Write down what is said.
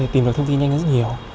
tìm được thông tin nhanh rất nhiều